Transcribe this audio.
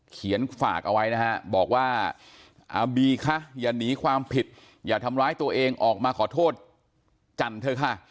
ฝากเอาไว้นะฮะบอกว่าอาบีคะอย่าหนีความผิดอย่าทำร้ายตัวเองออกมาขอโทษจันเถอะค่ะ